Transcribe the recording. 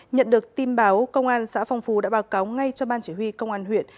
nhận được tin báo công an xã phong phú đã báo cáo ngay cho ban chỉ huy công an huyện